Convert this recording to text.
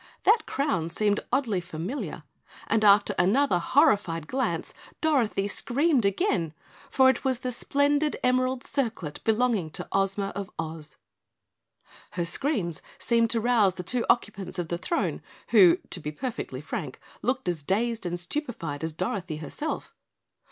That crown seemed oddly familiar, and after another horrified glance Dorothy screamed again, for it was the splendid emerald circlet belonging to Ozma of Oz. Her screams seemed to rouse the two occupants of the throne, who, to be perfectly frank, looked as dazed and stupefied as Dorothy herself.